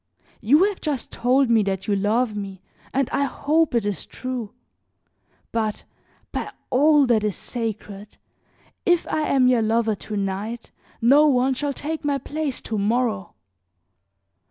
You have just told me that you love me, and I hope it is true; but, by all that is sacred, if I am your lover to night, no one shall take my place to morrow.